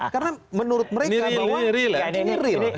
karena menurut mereka bahwa ini real